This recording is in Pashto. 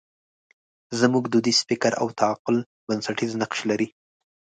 زموږ دودیز فکر او تعقل بنسټیز نقش لري.